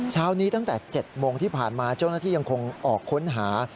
เช้านี้ตั้งแต่๗โมงที่ผ่านมาเจ้าหน้าที่ยังคงออกค้นหา